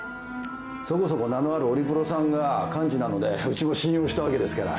そこそこ名のあるオリプロさんが幹事なのでうちも信用したわけですから。